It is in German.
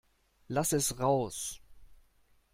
Lass es raus!